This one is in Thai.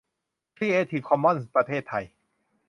ครีเอทีฟคอมมอนส์ประเทศไทย